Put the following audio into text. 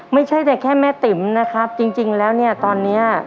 ไม่ใช่แต่แค่แม่ติ๋มนะครับจริงแล้วเนี่ยตอนเนี้ย